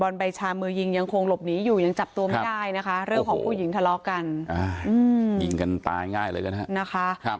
แล้วก็รู้จักกันหมด